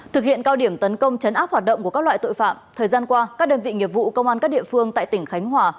thực hiện cao điểm tấn công chấn áp hoạt động của các loại tội phạm thời gian qua các đơn vị nghiệp vụ công an các địa phương tại tỉnh khánh hòa